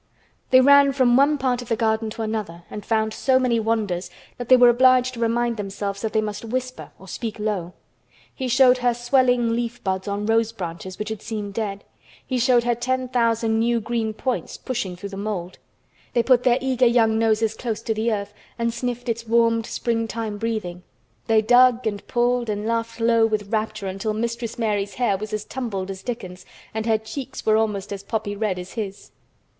They ran from one part of the garden to another and found so many wonders that they were obliged to remind themselves that they must whisper or speak low. He showed her swelling leafbuds on rose branches which had seemed dead. He showed her ten thousand new green points pushing through the mould. They put their eager young noses close to the earth and sniffed its warmed springtime breathing; they dug and pulled and laughed low with rapture until Mistress Mary's hair was as tumbled as Dickon's and her cheeks were almost as poppy red as his.